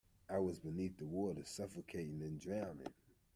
I was beneath the water, suffocating and drowning.